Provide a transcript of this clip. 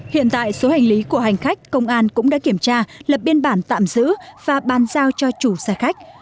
hiện tại số hành lý của hành khách công an cũng đã kiểm tra lập biên bản tạm giữ và bàn giao cho chủ xe khách